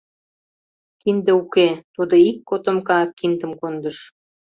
Кинде уке, тудо ик котомка киндым кондыш.